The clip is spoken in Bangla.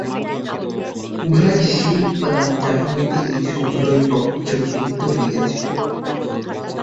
উহাই সেই উপাদান, যাহা হইতে এই সমুদয় প্রপঞ্চ নির্মিত হইয়াছে।